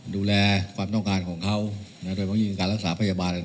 ดูแลความต้องการของเขานะโดยบางอย่างยืนการรักษาพยาบาลก่อนต่าง